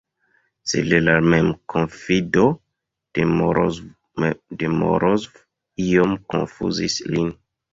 Sed la memkonfido de Morozov iom konfuzis lin.